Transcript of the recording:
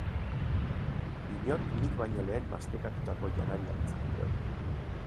Inork nik baino lehen mastekatutako janaria litzateke hori.